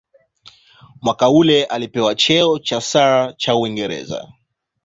Mwaka uleule alipewa cheo cha "Sir" cha Uingereza.